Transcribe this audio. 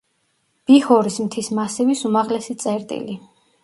ბიჰორის მთის მასივის უმაღლესი წერტილი.